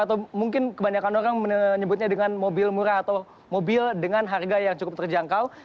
atau mungkin kebanyakan orang menyebutnya dengan mobil murah atau mobil dengan harga yang cukup terjangkau